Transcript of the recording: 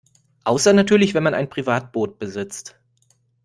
Außer natürlich wenn man ein Privatboot besitzt.